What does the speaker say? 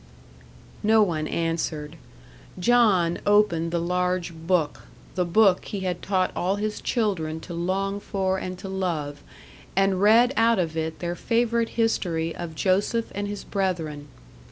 No one answered. John opened the large Book the Book he had taught all his children to long for and to love and read out of it their favourite history of Joseph and his brethren.